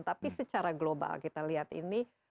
tapi secara global kita lihat ini